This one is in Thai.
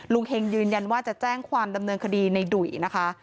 เฮงยืนยันว่าจะแจ้งความดำเนินคดีในดุ่ยนะคะ